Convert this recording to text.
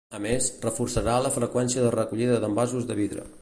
A més, reforçarà la freqüència de recollida d’envasos de vidre.